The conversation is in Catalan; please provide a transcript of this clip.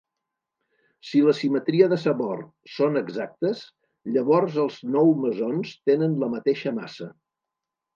Si la simetria de sabor són exactes, llavors els nou mesons tenen la mateixa massa.